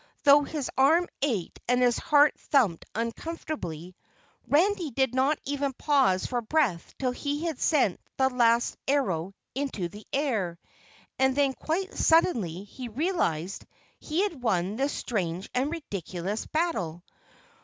Though his arm ached and his heart thumped uncomfortably, Randy did not even pause for breath till he had sent the last arrow into the air, and then quite suddenly he realized he had won this strange and ridiculous battle.